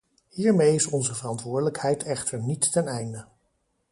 Hiermee is onze verantwoordelijkheid echter niet ten einde.